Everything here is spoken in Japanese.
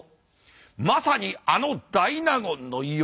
まさにあの大納言の頼盛。